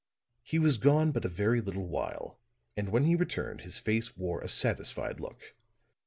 He was gone but a very little while, and when he returned his face wore a satisfied look.